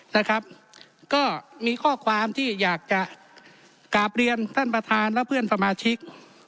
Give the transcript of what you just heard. นะครับก็มีข้อความที่อยากจะกราบเรียนท่านประธานและเพื่อนสมาชิก